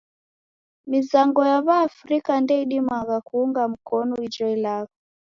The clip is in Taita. Mizango ya W'aafrika ndeidimagha kuunga mkonu ijo ilagho.